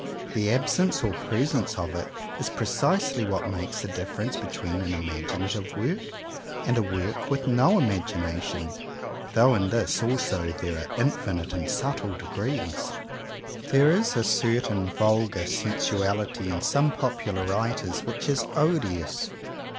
The absence or presence of it is precisely what makes the difference between an imaginative work and a work with no imagination, though in this also there are infinite and subtle degrees. There is a certain vulgar sensuality in some popular writers which is odious.